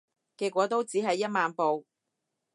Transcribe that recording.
結果都只係一萬步